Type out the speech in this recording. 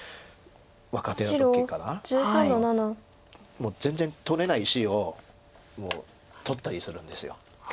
もう全然取れない石を取ったりするんです。